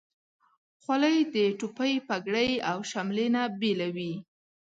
خولۍ د ټوپۍ، پګړۍ، او شملې نه بیله وي.